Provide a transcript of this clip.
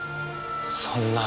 そんな。